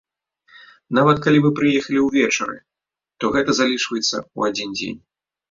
Нават, калі вы прыехалі ўвечары, то гэта залічваецца ў адзін дзень.